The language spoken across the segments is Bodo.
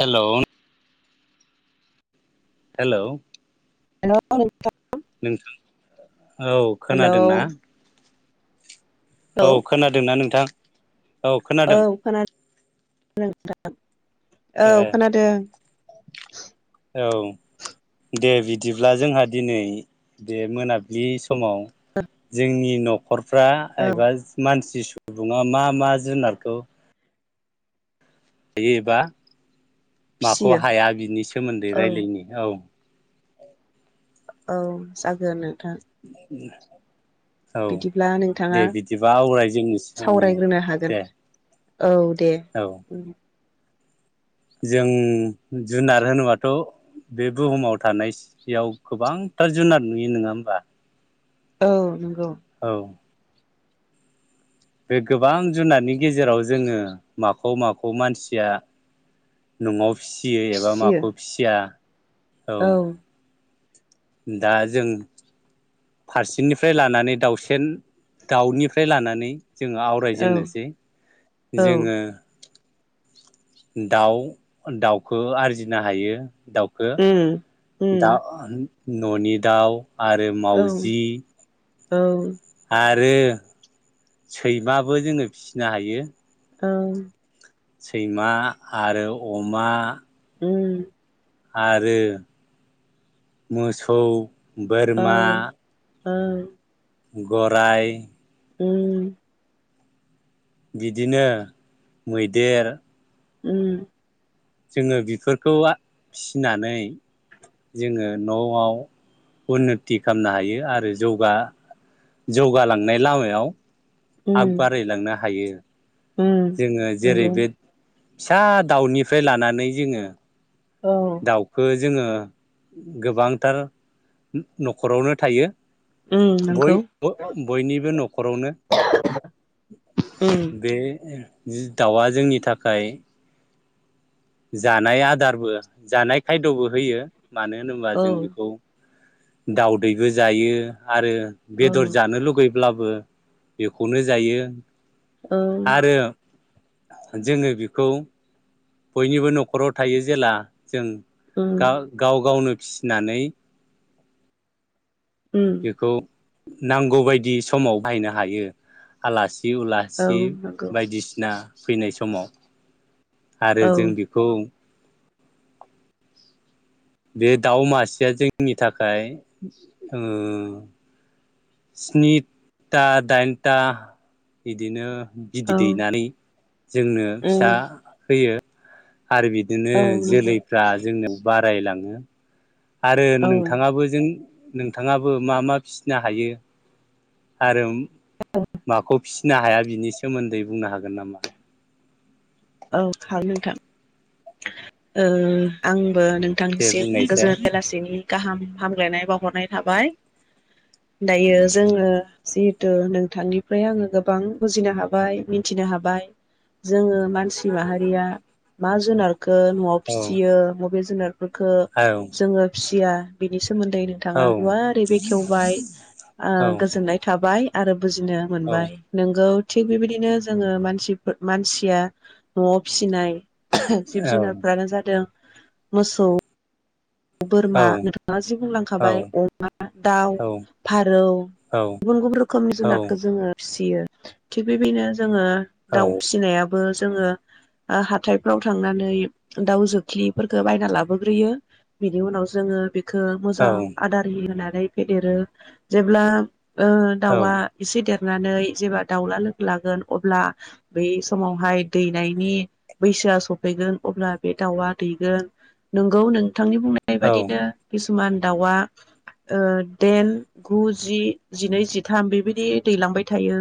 हेलौउन हेलौ हेलौ नोंथां औ हेलौ खोनादोंना? औ खोनादोंना नों थां औ खोनादों। [inaudible] नोंथां। औ ए खोनादों। औ दे बिदिब्ला जोंहा दिनै दे मोनाबिलि समाव जोंनि नख न'खरफ्रा औ एबास मानसि सु बुङा मा मा जुनारखौ [unintelligible] एबा माखौ फिसियो हाया बिनि सोमोन्दै औ रायलायनि औ। औ जागोन नो। हो। द [unintelligible] औ नोंथाङा दे बिदिबा आवराय जोंनोसै सावरायग्रोनो हागोन दे औ दे औ जों जुनार होनोबाथ' बे बुहुमाव थानाय सेयाव गोबांथार जुनार नुयो नङा होमबा औ नंगौ औ बे गोबां जुनारनि गेजेराव जोङो माखौ माखौ मानसिया न'आव फिसियो एबा फिसियो माखौ फिसिया औ दा जों फारसेनिफ्राय लानानै लानानै दाउसेन दाउनिफ्राय लानानै जोङो औ आवरायजेननोसै औ जोङो दाउ दाउखौ आरजिनो हायो दाउखो उम उम दाउ न'नि दाउ आरो औ मावजि औ आरो सैमाबो जोङो फिसिनो हायो ओं सैमा आरो अमा उम आरो मोसौ बोरमा ओं गराइ उम बिदिनो मैदेर उम जोङो बेफोरखौ आ फिनानै जोङो न'आव उन्नथि खालामनो हायो आरो जौगा जौगालांनाय लामायाव आग उम बारायलांनो हायो [unintelligible] उम जोङो जेरै नंगौ बे फिसा दाउनिफ्राय लानानै जोङो औ दाउखो जोङो गोबांथार न'खरावनो थायो उम नंगौ बयनिबो न'खरावनो उम बे जि दाउआ जोंनि थाखाय जानाय आदारबो जानाय खायद'बो होयो। मानो होनोबा औ जों बेखौ दउदैबो जायो। आरो औ बेदर जानो लुुगै ब्लाबो बेखौनो जायो। औ। आरो जोङो बेखौ बयनिबो न'खराव थायो जेला जों उम गाव-गाव गावनो फिसिनानै उम बेखौ नांगौ बायदि समाव बाहायनो हायो आलासि औ उलासि नंगौ बायदिसिना फैनाय समाव आरो औ जों बेखौ बे दाउ मासेया जोंनि थाखाय ओ स्निथा दाइनथा बिदिनो बिदै दैनानै जोंनो उम फिसा होयो। आरो बिदिनो औ नंगौ जोलैफ्रा जोंनाव बारा रायलाङो आरो औ नोंथाङाबो जों नोंथाङाबो मा मा फिसिनो हायो आरो माखौ? फिसिनो हाया बिनि सोमोन्दै बुंनो हागोन नामा? औ हागोन नोंथां ओ आं बो दे नोंथांनिसिम बुंनायसाय गोजोन बेलासिनि गाहाम हामलायनाय बावहरनाय थाबाय दायो जोङो जिहेथु नोंथांनिफ्राय आङो गोबां बुजिनो हाबाय मिन्थिनो हाबाय जोङो सि माहारिया मा जुनार खो न'आव औ फिसियो बबे जुनार फोरखो औ जोङो फिसि [unintelligible] सोमोन्दै औ नोंथाङा गुवारै बेखेवबाय ओ औ गोजोननाय थाबाय। आरो बुजिनो औ मोनबाय नोंगौ थिग बेबायदिनो जोङो मानसिफो मानसिया न'आव फिसिनाय जिब जुनारफ्रानो जादों मोसौ औ बोरमा नोंथाङा जि औ बुंलांखाबाय अमा, दाउ फारौ औ गुबुन गुबुन रोखोमनि जुनारखौ जोङो फिसि सियो थिग बेबादिनो जोङो दाउ फिनायाबो बो जोङो हाथायफ्राव थांनानै दाउ जोख्लिफोरफोरखौ बायना लाबोग्रोयो बिनि उनाव जोङो बे खौ मोजां आदार होनानै फेदेरो जेब्ला ओ दाउआ एसे देर लानानै जेब्ला दाउला लोगो लागोन अब्ला बे समावहाय दैनायनि बैसोआ सफैगोन अब्ला बे दाउआ दैगोन नोंगौ नों थांनि बुंनाय बादिनो किसुमान दाउआ ओ देन गु जि जिनै जिथाम बेबायदि दैलांबाय थायो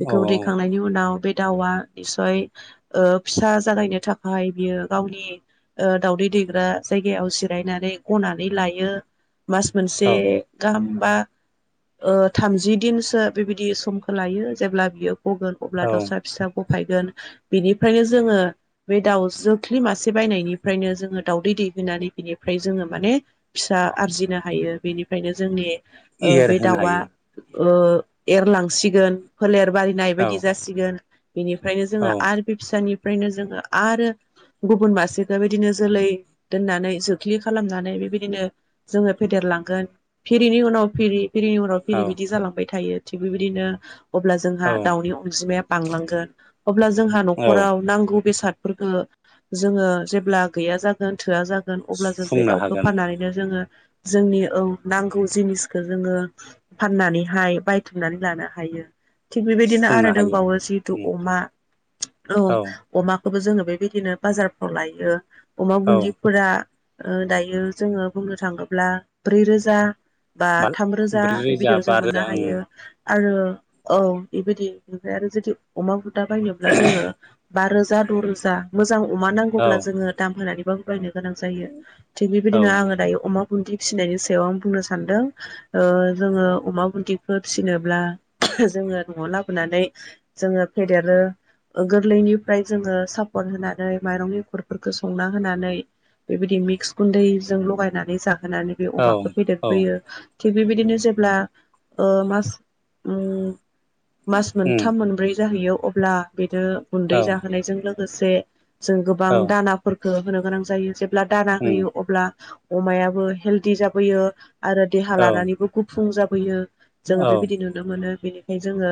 बेखौ दैखांनायनि उनाव बे दाउआ निसय ओ फिसा जागायनो थाखाय बियो गावनि ओ दावउदै दैग्रा जाय जायगायाव जिरायनानै गनानै लायो मास मोनसे औ गाहाम बा ओ थामजि दिनसो बेबायदि समखौ लायो जेब्ला बियो गगोन अब्ला औ दाउसा फिसा फायगोन बेनिफ्रायनो जोङो बे दाउ जोख्लि मासे बायनायनिफ्रायनो जोङो दाउदै दै दैनानै बिनिफ्राय जोङो माने फिसा आरजिनो हायो बेनिफ्रायनो जोंनि ओ बे एरहोनो दाउआ हायो ओ एरलांसिगोन फोलेर बारिनाय औ बादि जासिगोन बेनिफ्रायनो औ जोङो आरो बे फिसानि फ्रायनो जोङो आरो गुबुन मासेखौ बेबादिनो जोलै दोननानै जोख्लि खालामनानै बेबायदिनो जोङो फेदेरलांगोन फिरिनि उनाव फिरि फिरिनि उनाव औ फिरि बिदि जालांबाय थायो। थिग बेबायदिनो अब्ला जोंहा औ दाउनि अनजिमाया बांलांगोन अब्ला जोंहा औ न'खराव नांगौ बेसाद फोरखौ जोङो जेब्ला गैया जागोन थोआ जागोन अब्ला जों बे सुफुंनो दाउखौ हागोन फाननानैनो जोङो जोंनि औ नांगौ जिनिसखौ जोङो फाननानैहाय बायथुमनानै लानो हायो। थिग बेबायदिनो सुफुंनो आरो हायो दंबावो जिहेतु उम अमा औ अमा खौबो जोङो बेबायदिनो बाजारफ्राव लायो। अमा औ बुन्दि आ दायो ओ जोङो बुंनो थाङोब्ला ब्रै रोजा बा थाम रोजा ब्रै बेबादियाव बा जों मोननो रोजा हायो। आरो औ बेबायदि ओमफ्राय आरो जुदि अमा बु न्दा बायनोब्ला जोङो बा रोजा द' रोजा मोजां अमा नांगौब्ला ओं जोङो दाम होनानै बां बायनो गोनां जायो थिग औ बेबायदिनो आङो दायो अमा बुन्दि फिसिनायनि सायाव आं बुंनो सानदों ओ जोङो अमा बुन्दिखौ फिसिनोब्ला जोङो न'आव लाबोनानै जोङो फेदेरो गोरलैनिफ्राय जोङो सापट होनानै माइरं एखरफोरखौ संना होनानै बेबायदि मिक्स गुन्दैजों लगायनानै जा होनानै बे औ अमाखौ औ फेदेरबोयो। थिग बेबायदिनो जेब्ला ओ मास ओम मास उम मोनथाम मोनब्रै जाहैयो अब्ला बे नो औ गुन्दै जाहोनायजों लो गोसे जों गोबां औ दानाफोर खो होनो गोनां जायो जे ब्ला दाना उम होयो अब्ला अमायाबो हेलदि जाबोयो आरो देहा औ लानानैबो गुफुं जाब बोयो जोङो औ बेबायदि नुनो मोनो बेनिखायनो जोङो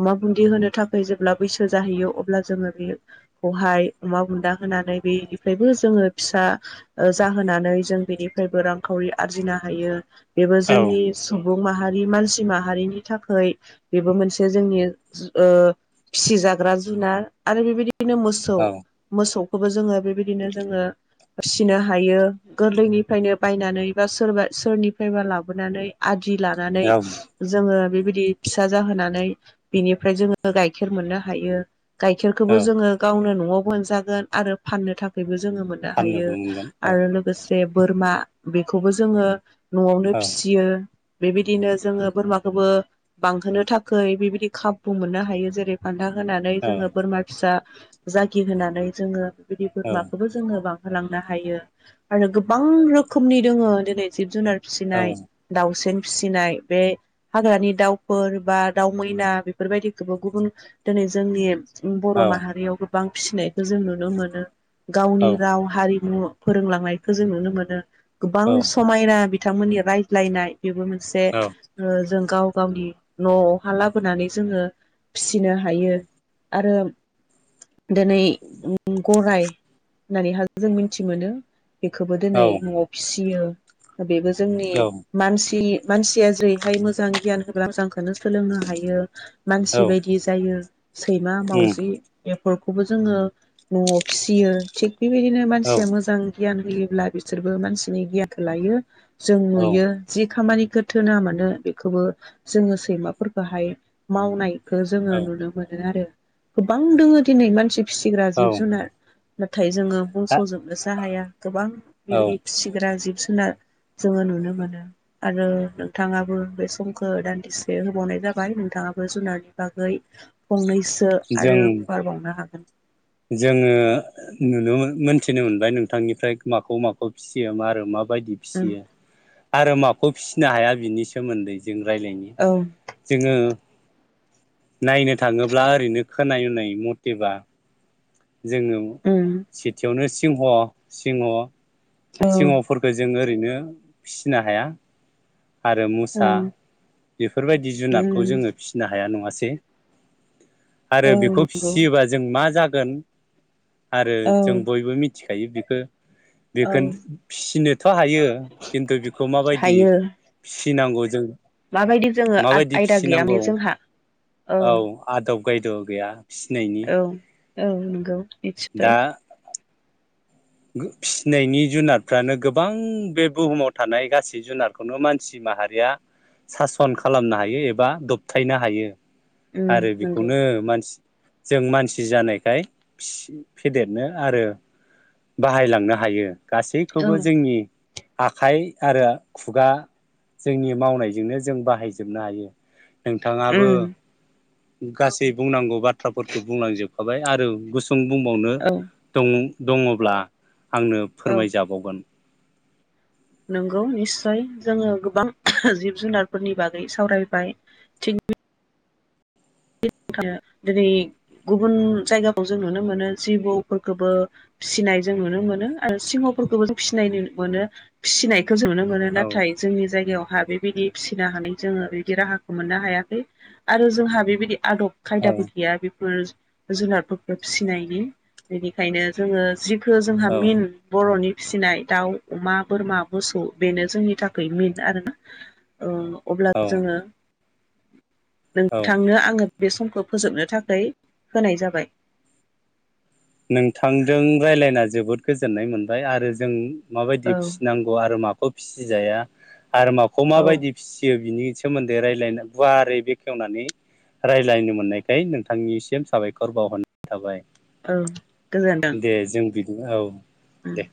अमा बुन्दि होनो थाखाय जेब्ला बैसो जाहैयो अब्ला जोङो बेखौहाय अमा बुन्दा होनानै बेनिफ्रायबो जोङो फिसा जाहोनानै जों बेनिफ्रायबो रांखावरि आरजिनो हायो बेबो औ जोंनि सम सुबुं मानसि माहारिनि थाखाय बेबो मोनसे जोंनि फिसि जाग्रा जुनार आरो बेबायदि बिनो मोसौ औ मोसौ बे खौबो जोङो बेबायदिनो जोङो फिनो हायो गोरलैनिफ्रायनो बायनानै बा सोरबा सोरनिफ्रायबा लाबोनानै आदि लानानै औ जोङो बिदि फिसा जाहोनानै बिनिफ्राय जोङो गाइखेर मोननो हायो गाइखेरखौबो औ जोङो गावनो न न'आव मोनजागोन आरो फाननो थाखायबो जोङो मोनोन हायो फाननोबो मोनगोन औ आरो लोगोसे जे बोरमा बेखौबो जोङो न'आवनो औ औ फिसियो बेबायदिनो जोङो बोरमाखौबो बांहोनो थाखाय बेबायदि खाबुखौ मोननो हायो जेरै फान्था होनानै औ जोङो बोरमा फिसा जाखि होनानै जोङो बिदि औ बोरमाखौ जोङो बां होलांनो हायो आरो गोबां रोखोमनि दङो दिनै जिब जुनार फिसिनाय उम दाउसेन फिसिनाय बे हाग्रानि दाउफोर बा दाउ मैना बेफोरबायदिखौबो गुबुन दिनै जोंनि बर' औ माहारियाव बां फिसिनायखौ जों नुनो मोनो औ गावनि हारिमु फोरोंलांनायखौ जों नुनो मोनो गोबां समायना बि बिथांमोननि रायज्लायनाय बेबो मोनसे औ जों गाव गावनि न'आवहा लाबोनानै जोङो फिसिनो हायो आरो दिनै गराय होननानैहाय जों मिथि मोनो बेखौबो दिनै न'आव फिसियो बेबो जोंनि मानसि मानसिया जेरैहाय मोजां गियान होब्ला मोजांखौनो सोलोंनो हायो। मानसि बायदि जायो। सैमा मावजि ए फोरखौबो जोङो न'आव फिसियो थिग बेबायदिनो मानसिया मोजां गियान होयोब्ला बिसोरबो मानसिनि गियानखो लायो। जों नुयो जि खामानि खो थोना मोनो बेखौबो जोङो सैमाफोरखौहाय मावनाय खौ जोङो नुनो मोनो आरो गोबां दोङो दिनै मानसि फिसिग्रा जिब जुनार नाथाय जोङो बुंस'जोबनोसो हाया गोबां बेबायदि फिसिग्रा जिब जु जुनार जोङो नुनो मोनो आरो नोंथाङाबो बे समखौ दान्दिसे होबावनाय जाबाय नोंथाङाबो जुनारनि बागै फंनै सो जों आरो फुवार बावनो हागोन जोङो नुनो मोनथिनो मोनबाय नोंथांनिफ्राय माखौ माखौ फिसियो मा आरो मा बायदि फिसियो आरो माखौ फिसिनो हाया बिनि सोमोन्दै जों रायज्लायनि औ जोङो नायनो थाङोब्ला ओरैनो खोनानाय मथेबा जोङो औ उम सिटियावनो सि सिंह सिंह औ सिहफोरखौ जोङो ओरैनो फिसिनो हाया आरो मुसा उम बेफोरबायदि जुनादखौ उम जोङो फिसिनो हाया नङा सै आरो औ बेखौ नंगौ फिसियोबा जों मा जाग गोन आरो औ जों बयबो मि थिखायो बिखो औ गोन फिसिनोथ' हायो खिन्थु बेखौ माबायदि हायो फिस सिनांगौ जों माबायदि जोङो आथ माबायदि आयदा गैयामाने फिसिनांगौ जोंहा औ गैद' गैया फिसिनायनि औ औ नंगौ। दा मिथिबाय फिसिनायनि जुनारफ्रानो गोबां बे बुहुमाव थानाय गासै जुनारखौनो मानसि माहारिया सासन खालामनो हायो एबा दबथायनो हायो। उम आरो नंगौ बेखौनो मानसि जों मानसि जानायखाय फेदेरनो आरो बाहायलांनो हायो। औ गासैखौबो जोंनि आखाइ आरो खुगा जोंनि मावनायजोंनो जों बाहायजोबनो हायो। नोंथाङाबो उम गासै बुंनांगौ बाथ्राफोरखौ बुंलांजोबखाबाय आरो बुंबावनो औ दं दङ ब्ला आंनो औ फोरमायजाबावगोन। नंगौ निस्सय जोङो गोबां जिब जुनारफोरनि बागै सावरायबाय थिग गुबुन जायगाखौ जों नुनो मोनो जिबौफोरखौबो फिसिनाय जों नुनो मोनो आरो सिंह'फोरखौबो जों फिसिनाय मोनो फिसिनाय जों नुनो मोनो औ नाथाय जोंनि जायगायाव जोंहा बेबायदि फिसिनो हानाय जोङो बेबायदि राहाखौ मोननो हायाखै आरो जोंहा बेबाय आदब औ खायदाबो गैया बेफोर जुनारफोरखौ फिसिनायनि बेनिखायनो जोङो जिखो जोंहा औ मेइन बर'नि फिसिनाय दाउ, अमा, बोरमा, मोसौ बेनो जोंनि थाखाय मेइन आरो औ अब्ला औ जोङो औ नोंथांनो आङो बे समखौ फोजोबनो थाखाय होनाय जाबाय। नोंथांजों राय्लायना जोबोद गोजोननाय मोनबाय आरो जों औ माबायदि फिसिनांगौ आरो माखौ फिसिजाया आरो माखौ औ माबायदि फिसियो बिनि सोमोन्दै रायलायनो गुवारै बेखेवनानै रायज्लायनो मोननायखाय नोंथांनिसिम साबायखर बावहरनाय थाबाय। औ गोजोनथों। दे जों बिदि औ। उम दे